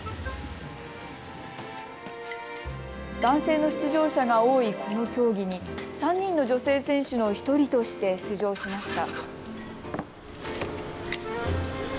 男性の出場者が多いこの競技に３人の女性選手の１人として出場しました。